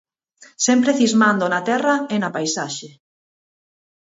Sempre cismando na Terra e na paisaxe.